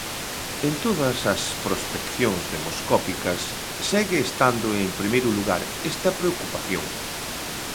En todas as prospeccións demoscópicas segue estando en primeiro lugar esta preocupación.